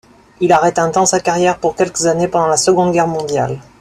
Il arrête un temps sa carrière pour quelques années pendant la Seconde Guerre mondiale.